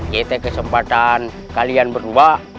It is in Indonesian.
kita kesempatan kalian berdua